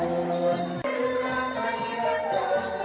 การทีลงเพลงสะดวกเพื่อความชุมภูมิของชาวไทยรักไทย